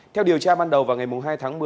theo điều tra ban đầu vào ngày hai tháng một mươi